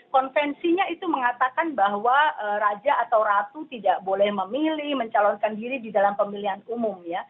konvensinya itu mengatakan bahwa raja atau ratu tidak boleh memilih mencalonkan diri di dalam pemilihan umum ya